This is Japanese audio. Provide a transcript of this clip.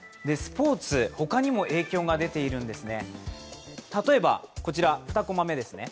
スポーツ、他にも影響が出ているんですね。